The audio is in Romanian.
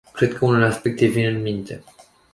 Cred că unele aspecte vin în minte.